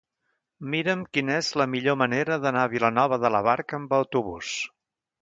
Mira'm quina és la millor manera d'anar a Vilanova de la Barca amb autobús.